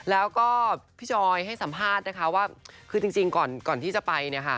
แล้วก็พี่จอยให้สัมภาษณ์นะคะว่าคือจริงก่อนที่จะไปเนี่ยค่ะ